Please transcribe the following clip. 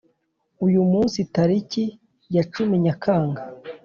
Uyu munsi tariki ya cumiNyakanga